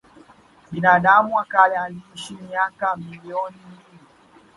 Binadamu wa kale aliishi miaka milioni mbili